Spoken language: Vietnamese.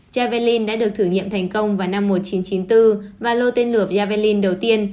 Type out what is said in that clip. javalin đã được thử nghiệm thành công vào năm một nghìn chín trăm chín mươi bốn và lô tên lửa javalin đầu tiên